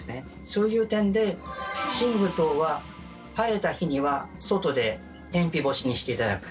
そういう点で寝具等は晴れた日には外で天日干しにしていただく。